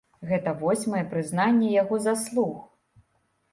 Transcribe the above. Гэта восьмае прызнанне яго заслуг.